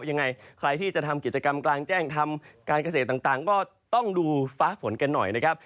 ยังไงใครที่จะทำกิจกรรมกลางแจ้งทำการเกษตรต่างก็ต้องดูฟ้าฝนกันหน่อยนะครับ